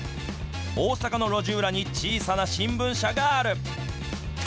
大阪の路地裏に小さな新聞社がある。